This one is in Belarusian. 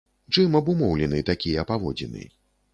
Чым абумоўлены такія паводзіны?